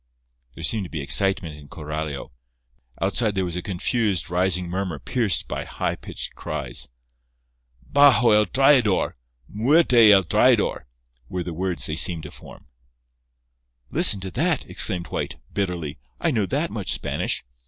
There seemed to be excitement in Coralio. Outside there was a confused, rising murmur pierced by high pitched cries. "Bajo el traidor—Muerte el traidor!" were the words they seemed to form. "Listen to that!" exclaimed White, bitterly: "I know that much Spanish.